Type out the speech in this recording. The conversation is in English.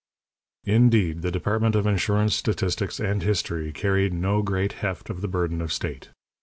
Indeed, the Department of Insurance, Statistics, and History carried no great heft of the burden of state.